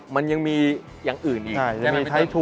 มันยังมีอย่างอื่นอีก